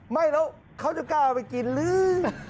ไม่แล้วเขาจะกล้าเอาไปกินหรือ